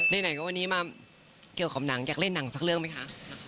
ไหนก็วันนี้มาเกี่ยวกับหนังอยากเล่นหนังสักเรื่องไหมคะ